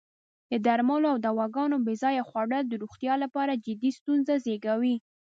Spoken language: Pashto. د درملو او دواګانو بې ځایه خوړل د روغتیا لپاره جدی ستونزې زېږوی.